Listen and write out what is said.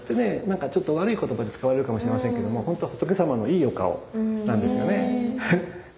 何かちょっと悪い言葉で使われるかもしれませんけども本当は仏様のいいお顔なんですよね。